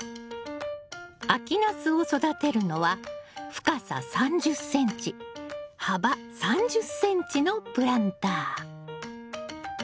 秋ナスを育てるのは深さ３０ｃｍ幅３０ｃｍのプランター。